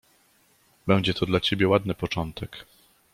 "Będzie to dla ciebie ładny początek."